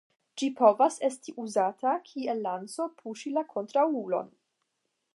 Ĝi povas esti uzata kiel lanco puŝi la kontraŭulon.